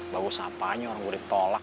bagus apaan yang orang boleh tolak